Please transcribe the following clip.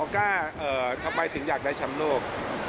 นี่ถ้าไปถึงอยากได้ชำโลก